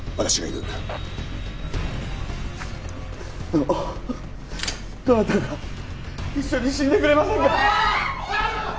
あのどなたか一緒に死んでくれませんか？